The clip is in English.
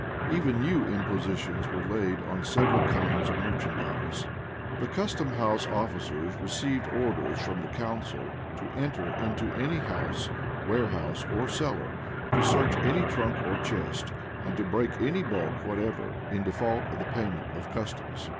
Even new impositions were laid on several kinds of merchandise.[] The custom house officers received orders from the council to enter into any house, warehouse, or cellar; to search any trunk or chest; and to break any bulk whatever; in default of the payment of customs.